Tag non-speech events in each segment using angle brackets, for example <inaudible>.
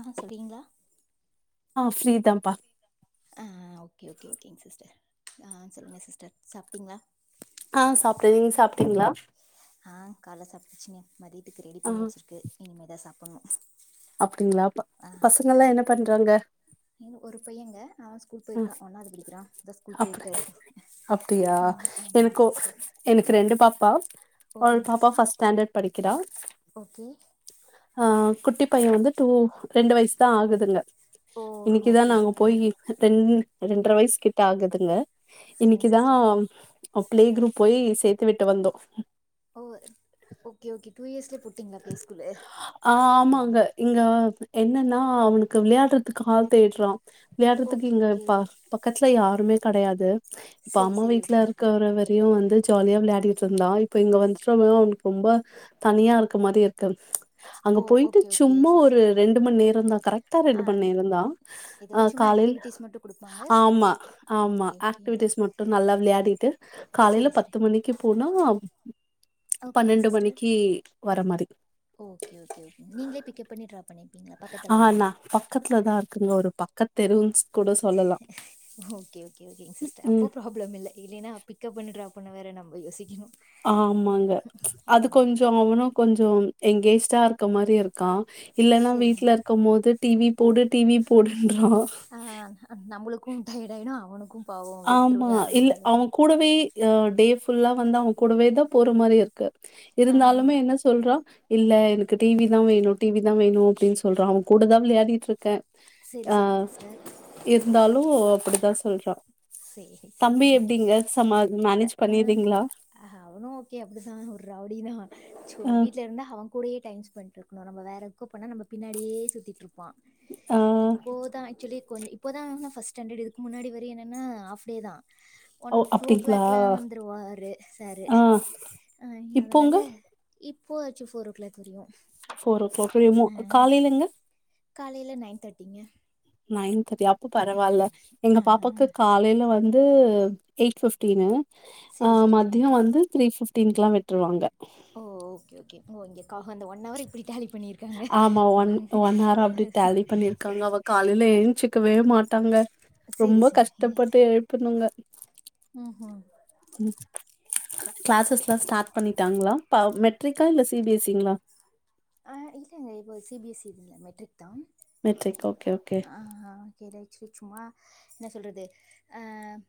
ஆ சொல்வீங்களா ஆ ஃப்ரீ தான்ப்பா ஆ ஓகே ஓகே ஓகேங் சிஸ்டர் ஆ சொல்லுங்க சிஸ்டர் சாப்டிங்களா ஆ சாப்டேன் நீங்க சாப்டீங்களா ஆ காலைல சாப்டாச்சுங்க மதிய க்கு ரெடி பண்ணி வச்சிருக்கு இனிமேதான் சாப்புணும் அப்படிங்களா பசங்கல்லாம் என்ன பண்றாங்க ஏங்க ஒரு பையங்க அவன் ஸ்கூல் ஆ போயிருக்கான் ஒண்ணாவது படிக்கிறான் இப்போ தான் ஸ்கூல் அப் போயிருக்காரு அப்டியா ம் ஆமா எனக்கு சிஸ்டர் எனக்கு ரெண்டு பாப்பா ஒரு ஒகேங் பாப்பா சிஸ்டர் ஃபர்ஸ்ட் ஸ்டாண்டர்ட் படிக்கிறா ஒகே பையன் வந்து டூ ரெண்டு வயசு தான் ஆகுதுங்க ஓ இன்னைக்குதான் ஓகே நாங்க ஓகே போயி ரெண்டு ரெண்டரை வயசு கிட்ட ஆகுதுங்க சரிங்க இன்னைக்குதான் சிஸ்டர் பிளே குரூப் போய் சேத்து விட்டு வந்தோம் ஓ ஓகே ஓகே டூ இயர்ஸ்லே போட் ஆ ஆமாங்க இங்க என்னன்னா அவனுக்கு விளையாடுறதுக்கு ஆல் தேட்றான் விளையாடுறதுக்கு ஓகே இங்க ஓகே பக் பக்கத்துல யாருமே கெடயாது இப்ப சரி அம்மா சரி வீட்ல ஓகே ஓகே இருக்கற வரையும் வந்து ஜாலியா விளையாடிட்டு இருந்தான் இப்ப இங்க வந்து அவனுக்கு ரொம்ப தனியா இரு இருக்க மாதிரி இருக்கு அங்க ஓ போயிட்டு ஓகே ஓகே சும்மா ஒரு சிஸ்டர் ரெண்டு மணி நேரம் இருந்த கரெட் டா ரெண்டு மண் ஆ நேரம்தான் ஏதோ ஆ சும்மா காலைல ஆக்டிவிட்டிஸ் மட்டு குடுப்பாங்க ஆமா ஆமா ஓகே ஓகே ஆக்டிவிட்டிஸ் மட்டும் நல்லா விளையாடிட்டு காலையில செரி செரி பத்து மணிக்கு போனா ஓகேங் பனெண்டு சிஸ்டர் மணிக்கு வரமாரி ஓகே ஓகே ஒகே நீங்ளே பிக்க்ப் பண்ணி ட்ராப் பண்ணி ஆனா பக்கத்லதான் இருக்குங்க ஒரு ப கத் தெரூன்ஸ் ஓகே ஓகேஒகேங் சிஸ்டர் அப்போ ம் ப்ராப்ளம் இல்ல இலனா பிகப் பண்ணு ட்ராப் பண்ண வேர நம்ம யோசிக்கினு ஆமாங்க அது கொஞ்சொ அவனு கொஞ்சொ எங்கேஜ்டா இருக்க மாரி இருக்கான் இல்லன்னா செரி வீட்ல இருக்கும் போது டி வி போடு டி வி போடு ஆஹ் நம்மளுக்கும் டையடாய்டும் அவனு ஆமா இல்ல அவன் கூடவே அஹ் டே ஃபுல்லா வந்து அவன் கூடவே தா போற மாரி இருக்கு ஆ ஆ இருந்தாலுமே என்ன சொல்றா இல்ல எனக்கு டி வி தான் வேணு டி வி தான் வேணு அப்டின் சொல்றான் அவன் கூடதா விளையாடிட்டிருக்கேன் செரி செரிங்க ஆஹ் சிஸ்டர் இருந்தாலு அப்டிதா சொல்றா சேரி சேரி தம்பி ஓகே எப்டிங்க சமா த மேனேஜ் பண்ணிறீங்களா ஆஹ் அவனு ஓகே அப்டிதான் ஒர்ரௌடி தா சு ஆ வீட்ல இருந்தா அவன் கூடயே டைம் பண்ட்ருக்கணு நம்ம வேற எத்கோ போனா நம்ப பின்னாடியே சுத்திட்ருப் பான் ஆ இப்போதா ஆக்சுலி கொஞ் இப்போதான் ஃபஸ்டான்டட் இதுக்கு முன்னாடி வரையு என ன்னா ஆஃப்டே தான் ஒன் டூ ஓ க்ளாக் லா வந்துருவாரு சாரு ஆ அஹ் இப்போங்க அதனால இப்போ ஆச்சு ஃபோர் ஓ க்ளாக் வரையு ஃபோர் ஓ க்ளாக் வரையுமா காலேலங்க காலேல நைன் தாட்டிங்க நைன் தாட்டியா அப் ப பரவால்ல எங்க ஆ பாப்பாக்கு காலேல வந் து எயிட் ஃபிஃப்டீனு செரி ஆஹ் செரிங்க மதியம் வந்து த்ரீ ஃபிஃப் டீன்க்கு லா விட்ருவாங்க ஓ ஓகே ஓகே ஓ இங்க கா அந்த ஒன் அவர் இப்டி டேலி ஆமா ஒன் ஒன் ஹார் அப்டி பண்ணியிருக்காங்க டேலி பண்ணிருக்காங்க அவ காலேல என்ச்சுக் கவே மாட்டாங்க சேரி ரொம்ப கஷ்டப்பட்டு எழுப்பணுங்க உம் ஹும் உம் கிளாசஸ் எல்லாம் ஸ்டார்ட் பண்ணிட்டாங்களா பா மெட்ரிக்கா இல்ல சி பி எஸ் சிங்களா ஆஹ் இல்லங்க இப்போ சி பி எஸ் இ இல்ல மெட்ரிக் தான் மெட்ரிக் ஓகே ஓகே ஆஹ் ஹா <unintelligible> சேர் சும்மா என்ன சொல்றது அஹ்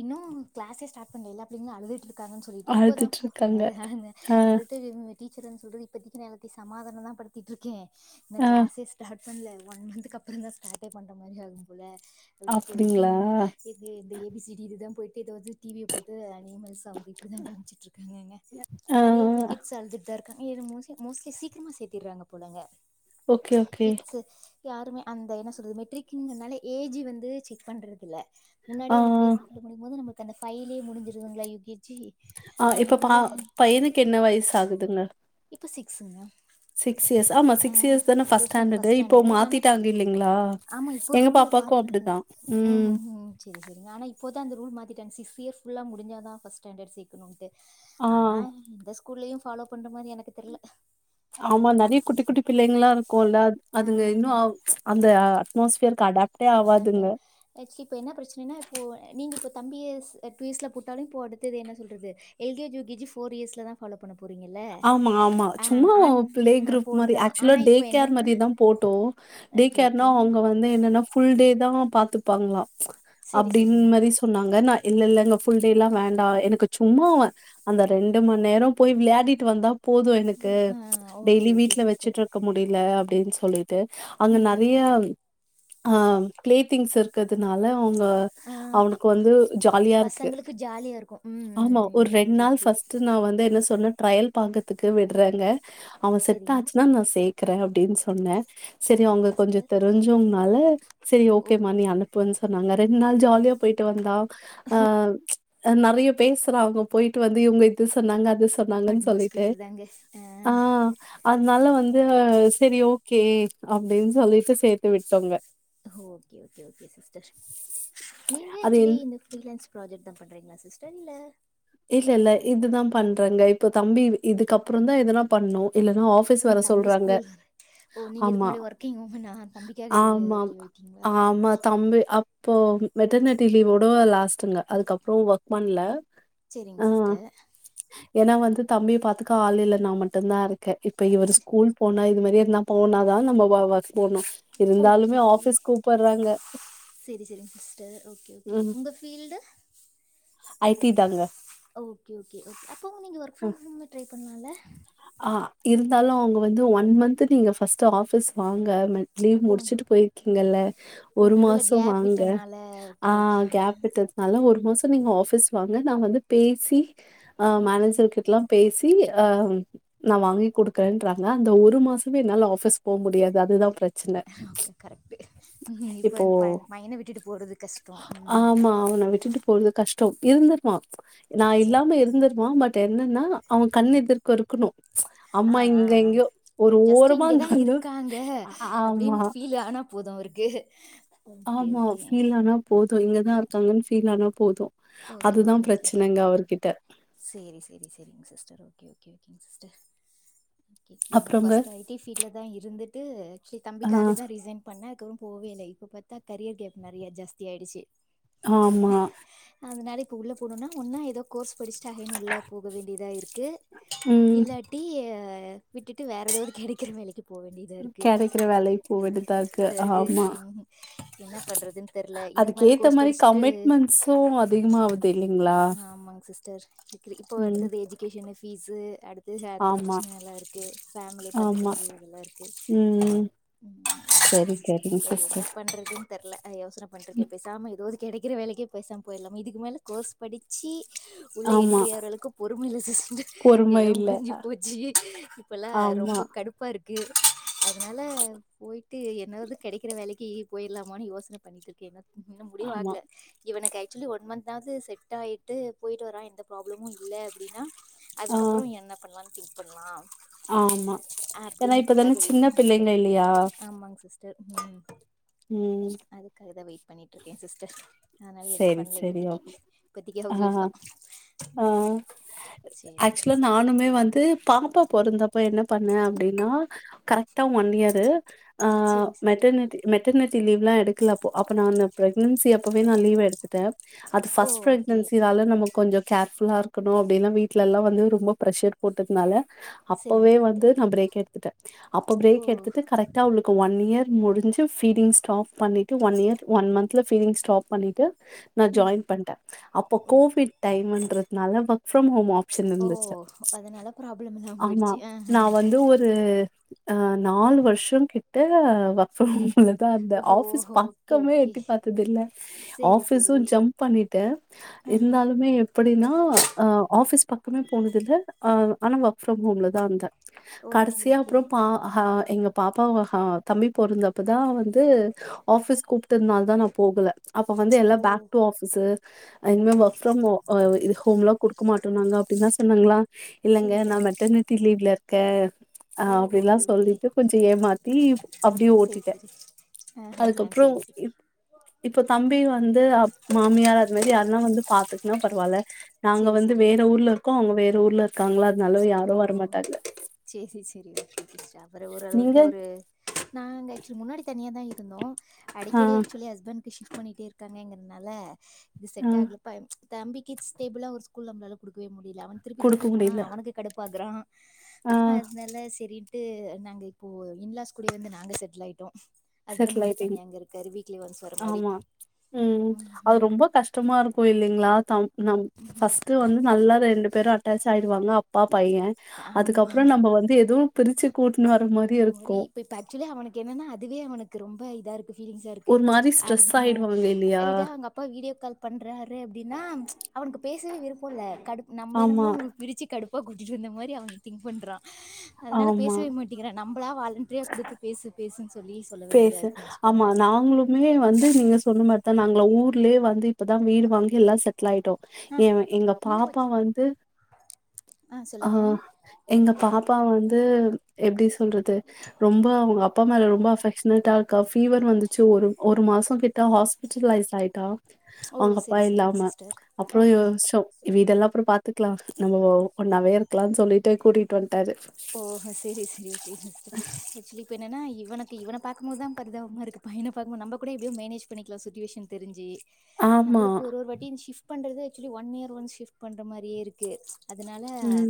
இன்னும் கிளாஸே ஸ்டார்ட் பண்றதில்லா அப்டி இருந்தும் அழுதுட்டுருக் காங்கனு சொல்லிட்டு இப்பதான் போ அழுதுட்ருக்காங்க றாங்க ஆ ரிட்டன் <unintelligible> டீச்சருன் சொல்றது இப்பத்திக்கி நா எல்லாத்தையு சமாதானந்தா படுத்திட்ருக்கே இன்னு ஆ கிளாஸே ஸ்டாட் பன்ல ஒன் மன்த்து க்கப்பறந்தா ஸ்டாட்டே பண்ற மாரி ஆகும் போல இன்னிக்கு வரைக்கு அப்டிங்களா இது ஏ பி சி டி இதுதா போயிட் இது வந்து டி வி ய போட்டு அனிமல் சவுண்ட் இப்டிதா காமிச்சிட்ருக்கங்கங்க நெறையா ஆ கிட்ஸ் அழுதுட்டுதா இருக்கு மோஸ்ட்லி மோஸ்ட்லி சீக்கிரமா சேத்திர்றாங்க போலங்க ஓகே ஓகே கிட்ஸு யாருமே அந்த என்ன சொல்றது மெட்ரிக்குங்துனால ஏஜி வந்து செக் பண்றதில்ல ஆ முன்னாடியே அந்த பேஸ்குள முடியும்போது நமக் கந்த ஃபைவ்லயே முடிஞ்சிருதுங்ள யு கே ஜி ஆ இப்ப ப அதனால பையனுக்கு என்ன வயசு ஆகுதுங்க இப்ப சிக்ஸ்ங்க சிக்ஸ் இயர்ஸ் ஆமா சிக்ஸ் இயர்ஸ் தான ஃபஸ்ட் சிக்ஸ் தான் ஸ்டாண்டர்டு ஃபர்ஸ்ட் இப்போ ஆனா மாத்திட்டாங்க இல்லலைங்ளா ஆமா இப்போ எங்க ரூல்ல பாப்பாக்கு மாத்துனது அப்டிதா ம் <unintelligible> இப்போதா அந்த ரூல் மாத்திட்டாங்க சிக்ஸ் இயர்ஸ் ஃபுல்லா முடிஞ்சாதா ஃபஸ் ஸ்டாண்டடு சேக்கணுன்ட்டு ஆ ஆனா இந்த ஸ்கூல்லயு ஃபாலோ பண்ற மாரி எனக்கு தெர்ல ஆமா நெறையா குட்டி குட்டி பிள்ளைங்கல்லா இருக்கு இல்ல அதுங்க ஆ இன்னு அ அந்த அட்மாஸ்பியர்கு அடாப் அதாட்ட இப்ப என்ன பிரச்னைன்னா இப்போ நீங்க இப்ப தம்பிய ஸ் எட்டு வயசுல போட்டாலு ப்போ அடுத்தது என்ன சொல்றது L K G U K G four இயர்ஸ்லதா பாலோ பண்ண போறீங்கல்ல ஆமா ஆமா ஆ சும்மா ஆன் பிளே குரூப் மாரி போறதா ஆக்சுவலா ஆனா டே இப்போ கேர் என்னன்னா மாரிதா போட்டோம் டே ஓகே கேர்னா ஓகே அவங்க வந்து என்னனா ஃபுல்டே பத்தரமா பாத்துபாங்களாம் செரி அப்படின்னு செரிங்க மாதிரி சொன்னாங்க நான் இல்ல இல்லங்க ஃபுல் டே எல்லாம் வேண்டாம் எனக்கு சும்மா அந்த ரெண்டு மணி நேரம் போய் விளயாடிட் வந்தா போதும் எனக்கு ஆ ஓகே டெய்லி ஓகே வீட்ல சிஸ்டர் வச்சுட்டு இருக்க முடியல அப்பிடின்னு சொல்லிட்டு அங்க ம் ம் நிறைய ஆஹ் கிளேத்திங்ஸ் இருக்கிறதுனால அவங்க ஆ அ, அவனுக்கு அ, வந்து ஜாலியா இருக்கு பசங்களுக்கு ஜாலியா இருக்கு ம் ஆமா ம் ஒரு ம் ரெண்டு ஓகே நாள் ஓகே பஸ்ட்டு நா வந்து என்ன சொன்ன ட்ரயல் பாக்கறத்துக்கு விடுறாங்க அவ செரிங்க செத்தாச்சுன்னா நா சே இருக்கற அப்பிடின்னு சொன்னே செரி ஓகேங்க அவங்க கொஞ்சு சிஸ்டர் தெரிஞ்சோங்கனால செரி ஓ ஓக்கேம்மா நீ அனுப்புன்னு நாங்க ரெண்டு நாள் ஜாலியா போயிட்டு வந்தா அ ம்ச் ஆ நறையோ பேசுறாங்கோ போயிட்டு வந்து இவங்க இது சொன்னாங்க அது சொ சொன்னாங்கு சொல்லிட்டு அட்மாஸ்பியர் தாங்க ஆ அதனால வந்து செரி ஓக் கே அப்படின்னு சொல்லிட்டு சேத்து விட்டோங்க ஓக்கே ஓக்கே ஓக்கே சிஸ்டர் நீங்க அது ஆக்சுவலி என் இந்த பீரிலன்ஸ் ப்ராஜெக்ட் தா பண்றீங்களா சிஸ்டர் இல்ல இல்ல இல்ல இதுதா பண்றங்க இப்ப தம்பி இதுக்கப்புறோன்தா எதனா பண்ணு அ தம்பி ஸ்கூல் வேர ஓ நீங்க இதுக்கு ஆமா. முன்னாடி வர்கிங் உமேன்னா தம்பிக்காக ஏ <unintelligible> ஆமாம். ரிலிவ் ஆகிட்டிங்களா ஓக்கே இப்போ மெட்டர்னிட்டி லீவோட லாஸ்டுங்க அதுக்கப்புறோ ஒர்க் பண்ணல சரிங்க அ சிஸ்டர் ஏன்னா வந்து தம்பிய பாத்துக்க ஆல்லில்ல நா மட்டுந்தா இருக்க க இப்ப இவரு சரி, ஸ்கூல் போனா இது மாரி வேத்னா போனாதா நம்ம வ வர்க் போகுணு ஓக்கே ஓக்கே செரி செரிங்க சிஸ்டர் ஓக்கே ஓக்கே ம். உங்க ஃபீல்டு ஐடி தாங்க. ஓக்கே ஓக்கே ஓக்கே அப்பவு நீங்க வர்க் ஃப்ரம் ம். ஓம்மு ரை பண்ணலால்ல ஏ ஆ இருந்தாலு அவங்க வந்து ஒன் மந்த் நீங்க ஃபஸ்ட்டு ஆபிஸ் வா வாங்க மெ லீவ் ஓ முடிச்சிட்டு போயிருக்கீங்கில்ல ஓ ஒரு நடுவில் மாசோ கேப் வாங்க விட்டனால ஓகே ஆ ஓகே கேப் விட்டதுனால ஒரு மாசோ நீங்க ஆப்பிஸ் வாங்க ங்க நா வந்து பேசி ஆ ஓகே மேனேஜர் கிட்டல்லா பேசி தி ஆ நா வாங்கி கொடுக்குறேன்றாங்க அந்த ஒரு மாசமே என்னால ஆஃபிஸ் போ முடியாது அதுதா பிரச் <unintelligible> கரெக்ட்டு ம் இப்ப இப்போ பை பையன விட்டுட்டு போறது கஷ்டோ உம் றோ இருந்துருவா நா இல்லாம இருந்துருவா பட் என்னன்னா அவ கண்ணு எதிர் கருக்கணு ஆ ஆ ஆ ஜஸ்ட்டு ஓரமா இங்கதா இருந்தாலும் இருக்காங்க ஆ ஆமா, அப்படின்னு ஃபீல் ஆனா போது அவருக்கு ஓகே ஆமா ஓகே ஃபீல் ஆனா போது இங்கதா இருக்காங்கன்னு ஃபீல் ஆனா போதும் ஓகே அதுதா ஓகே ஓகே பிரச்சனங்க அவர்கிட்ட சேரி சேரி சேரிங்க சிஸ்டர் ஒகே ஒகே ஒகேங் சிஸ்டர் ஓகே நாங்களு அப்புறங்க ஃபஸ்ட் ஐ டி ஃபீல்ட்ல தா இருந்துட்டு ஆக்சுலி ஆ தம்பிக்காக தா ரிசைன் பண்ணே போவே இல்ல இப்ப பாத்தா கரியர் கேப் நறைய ஜாஸ்தி ஆயிடுச்சு ஆமா அதனால உள்ள போனுனா ஒன்னா ஏதோ கோர்ஸ் <unintelligible> உள்ள போக வேண்டியதா இருக்கு ம். இல்லாட்டி அ விட்டு வேற எதாது கெடைக்கிற வேலைக்கு போவேண்டியதா இருக்கு கெடைக்கிற வேலைக்கு போ வேண்டியதா இத இருக்கு ஆமா. என்ன பண்றதுன்னு தெர்ல இதுக்கு மேல அதுக்கேத்த கோர்ஸ் மாரி படிச்சுட்டு கமிட்மெண்ட்ஸும் அதிகமாவுது இல்லைங்களா? ஆமாங் சிஸ் த்தர் <inaudible> கிர் இப்போ ம். அடுத்தது எஜூகேஷன் ஃபீஸ் அடுத் துகேத்த ஆமா, பிரச்சனைல்லா இருக்கு ஃபேமுலிய ஆமா. பாத்துக்கறது இதுல்லா இருக்கு ம். சரி, சரிங்க அத என்ன சிஸ்டர். பண்றதுன்னு தெர்ல அ யோசன பண்டுறுக்க ம். பேசாம எதோது கெடைக்குற வேலைக்கே பேசாம போயிட்லாமா இதுக்கு மேலே கோர்ஸ் படிச்சி உள்ள ஆமா. என்டிரியாரளுக்கு பொறும இல்ல சிஸ்டர் பொறுமை எல்லா இல்ல. முடிஞ்சு போச்சு இப்பல்லா ஆமா, ரொம்ப கடுப்பாருக் க்கு அதனால போயிட்டு எதனாவ்து கெடைக்கிற வேலைக்கு போயிடலாமான் யோசன பண்ணிட்டுருக்கேங்க இன்னு ஆமா. முடிவாகல இவனுக் காக்சுவலி ஒன் மந்த்தாவது செட் ஆயிட்டு போயிட் ட்டு வரா எந்த ப்ராப்ளமு இல்ல அப்டின்னா ஆ, அதுக்கப்பறொ என்ன பண்ணலான் திங் பண்லா ஆமா. ஏன்னா இப்ப தானே அப்படிங்கிறதுக்காக சின்ன வெயிட்டிங் இருக்கே பிள்ளைங்க இல்லையா? ஆமாங் சிஸ்டர் ம் ம். அதுக்காகதா வெயிட் பண்ணிட்டுருக்கே சிஸ்டர் அதனால எதுவு சரி, பண்ணல சரி. இப்பத்திக்கு ஓகே. இப்பத்திக்கு ஆ, ஹவுஸ் ஒய்ஃப்தா ஆ சேரிங் ஆக்சுவலா சிஸ்டர் சரி நானுமே வந்து பாப்பா பொறந்தப்ப என்ன பண்ண அப்டின்னா கரெக்டா ஒன்னியரு ஆ சேரிங் சிஸ்டர் மெட்டர்னெட்டி மெட்டர்னிட்டி லீவு எல்லா எடுக்கல அப்போ அப்ப நானு பிரக்னன்சி அப்பவே நா லீவ் எடுத்துட்டே அது ஓ ஃபர்ஸ்ட் ஓகே ப்ரக்னன்சினால நமக்கு கொஞ்சம் கேர்ஃபுல்லா இருக்கணு அப்டினு வீட்லெல்லா வந்து ரொம்ப ப்ரெஷர் போட்டதுனால சரிங் அப்பவே வந்து சிஸ்டர் நா பிரேக் எடுத்துட்டே அப்ப ஓ பிரேக் எடுத்துட்டு கரெக்டா அவளுக்கு ஒன் இயர் முடிஞ்சு பீடிங் ஸ்டாப் பண்ணிட்டு ஒன் இயர் ஒன் மன்த்ல பீடிங் ஸ்டாப் பண்ணிட்டு நா ம் ஜாயின் பண்டேன் அப்போ ஓ கோவிட் டைம்ன்றதுனால ஒர்க் ப்ரம் ஹோம் ஆப்ஷன் ஓ இருந்துச்சு. அதனால ப்ராப்ளம் இல்லாம ஆமா. போயிடுச்சு ஆ ஆ ஆ நாலு வருஷம் கிட்ட ஒர்க் ஃப்ரம் ஹோம் இததான் அந்த ஓஹோ ஆஃபிஸ் ஓகே பக்கமே ஓகே எட்டி பார்த்தது இல்ல சேரி சேரி ஆபிசும் ஜம்ப் பண்ணிட்டேன் ஆஹா இருந்தாலுமே எப்டின்னா ஆ ஆபிஸ் பக்கமே போனது இல்ல ஆனா ஒர்க் ஃப்ரம் ஹோம்ல தான் இருந்தேன் ஓகே கடைசியா ஓகே அப்புறம் பா ஹ எங்க பாப்பா தம்பி பொறந்தப்போதான் வந்து ஆஃபீஸ் கூப்பிட்டுத நால தான் நான் போகல அப்ப வந்து ஓ எல்லாம் பேக் டு ஆபிசு இனிமே ஒர்க் ஃப்ரம் ஹோம் ஆ ஹோம்லா கொடுக்க மாட்டோம் னாங்க அப்டின்னு னா சொன்னாங்களா இல்லங்க சேரி சேரி நான் மெட்டர்னிட்டி லீவ்ல இரு க ஆ ஓ ஓகே அப்டிலாம் ஓகே சொல்லிட்டு கொஞ்சம் ஏமாத்தி அப்டியே சேரி ஓட்டிட்டேன் சேரி ஆஹஹா அதுக்கப்புறம் சேரி சேரி இப் தம்பி வந்து மாமியார் அது மாதிரி யார்னா வந்து பாத்துக்குன்னா பரவாயில்ல நாங்க சேரி வந்து சேரி வேற ஊர்ல இருக்கோம் அவங்க வேற ஊர்ல இருக்காங்களா னால ஓ! யாரும் வரமாட்டாங்க அப்றம் ஓரளவுக்கு நீங்க ஒரு நாங்க ஆக்சுவலி முன்னாடி தனியா தா இருந்தோ ஆ அடிக்கடி ஆக்சுவலி ஹஸ்பண்ட் சிப்ட் பண்ணிட்டே இருக்காங்கன்றதுனால இது ஆ செட் ஆகல பயம் தம்பிக்கி ஸ்டேபிள்லா ஒரு அவங்களால குடுக்க முடியல இல்ல அவன் திருப்பி குடுக்க திருப்பி போனா முடியல அவனுக்கு ப்பாக்கிரா ஆ அதனால செரி ட்டு நாங்க இப்போ இன்லாஸ் கூடயே வந்து நாங்க செட்டுல் ஆய்டோ செட்டுல் ஆய்டிங் ஒன்ஸ் வர மாரி. ஆமா ம் அது ம்ஹ்ம். ரொம்ப கஷ்டமா இருக்கு இல்லைங்களா தம் ம் பஸ்ட்டு வந்து நல்லா ரெண்டு பேரு அட்டாச் ஆய்டுவாங்க அப் பைய அதுக்கப்றோ நம்ம வந்து எது பிரிச்சு கூட் அத மாரி இப்ப இப்ப ஆக்சுவலி அவனுக்கு என்னனா அதுவே அவனுக் கு ரொம்ப இதா இருக் கு ஃபீலிங்சா இருக்கு ஒரு மாரி ஸ்ட்ரெஸ் அமா ஆயிடுவாங்க இல்லையா இதா அவங்க அப்பா வீடியோ கால் பண்றாரு அப்டின்னா அவனுக்கு பேசவே விருப்போ இல்ல கடுப் நம்ம ஆமா, என்னமோ பிரிச்சு கடுப் பா கூட்டிட்டு வந்த மாரி அவ திங்க் பண்றா அதனால ஆமா. பேசவே மாட் நம் லா வாலண்ட்ரியா குடுத்து பேசு பேசுன் பேசு ஆமா நாங்க்ளுமே வந்து நீங்க சொன்ன மா த நாங்களா ஊர்லயே வந்து இப்பதா வீடு வாங்கி எல்லா செட் டுல் ஆய்டோ ஆ எ எங்க நின்னு பாப்பா போச்சு வந்து ஆ சொல்லுங்க ஆஹ் எங்க பாப்பா வந்து எப்டிச் சொல்றது ரொம்ப அவங்க அப்பா மேல ரொம்ப அஃபெக் இருக்கா ஃபீவர்ன் வந்துச்சு ஒரு ஒரு மாசோ கிட்ட ஹாஸ்பிட்டலைஸ் ஆய்ட்டா ஓ அவங்க அப்பா செரி செரிங்க இல்லாம சிஸ்டர் அப்றோ ஓ யோஸ்ச்சோ இவ இதெல்லா அப்றோ பாத்துக்லா நம்ம ஓ ஒண்ணாவே இருக்கலான் சொல்லிட்டு கூட்டிட்டு வந் ஓஹோ சேரி சேரி சேரி அக்சுவலி இப்ப னனா இவனுக்கு இவன பாக்கும் போதுதா பரிதாவமா இருக்கு பையன பாக்கும்போ நம்ம கூட எப்டியோ மேனேஜ் பண்ணிக்கலா சுச்சுவேஷன் தெரிஞ்சு ஆமா. நம்ளுக்கு ஒரு ஒரு வாட்டின் ஷிஃப் பண்றது ஆக்சுவி ஒன் இயர் ஒன் ஷிப்ட் பண்ற மாரியே இருக்கு அதுனால ம்.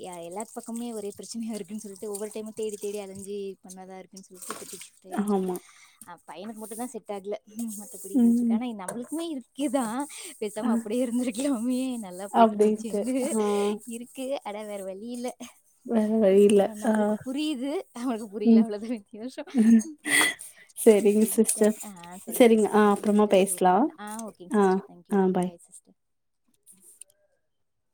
இ யா எல்லார் பக்கம்மே ஒரு ப்ரச்சனையா இருக்குன் சொல்லிட்டு ஒவ்வொரு டைமு தேடி தேடி அலஞ்சி பண்ணதா இருக்குன் சொல் <unintelligible> பேயாச்சி ஆமா. அப் பையனுக்கு மட்டுந்தா செட் ஆக்ல ஹ்ம் மத்தபடி போய்ட்டு இருக்கு ம். ஆனா எ நம்ளுக்குமே இருக் கிதா ஆ. பேசாம அப்டியே இருந்துருக் யாமே நல்லா போயிட்டு இருந்துச்சு அப்டின்ட்டு எங்க ஆ இருக்கு அட வேற வழி இல்ல வேற வழி இல்ல ஆ நம்மளுக்கு புரியுது அவங்ளுக்கு புரில ம் அவ்ளோதா வித்தியாசொ சரிங்க சிஸ்டர் அஹ் சரிங்க ஆ சிஸ்டர் ஓகே அப்புறமா சிஸ்டர் பேசலா ஒங்களுக்கு அஹ் ஓகேங் ஆ சிஸ்டர் தேங்குயு பாய் சிஸ்டர் <inaudible>